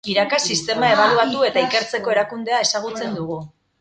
Irakas sistema ebaluatu eta ikertzeko erakundea ezagutzen dugu.